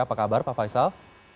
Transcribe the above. apa kabar pak faisal